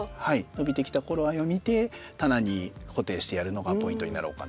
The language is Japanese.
伸びてきた頃合いを見て棚に固定してやるのがポイントになろうかなと。